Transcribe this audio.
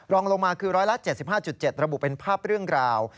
รองลงมาคือ๑๗๕๗ระบุเป็นภาพเรื่องราว